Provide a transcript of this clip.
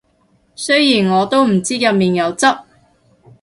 雖然我都唔知入面有汁